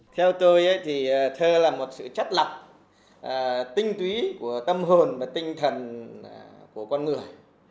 theo tôi thì thơ là một sự chất lập tinh túy của tâm hồn và tinh thần của con người